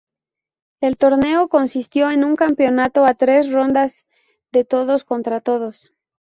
El torneo consistió en un campeonato a tres rondas de todos contra todos.